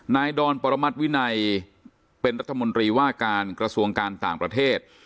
ดอนปรมัติวินัยเป็นรัฐมนตรีว่าการกระทรวงการต่างประเทศ